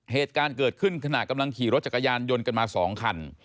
เหตุการณ์เกิดขึ้นขณะกำลังขี่รถจักรยานยนต์กันมา๒คัน